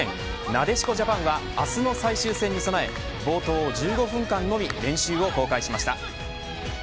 なでしこジャパンは明日の最終戦にそなえ冒頭１５分間のみ練習を公開しました。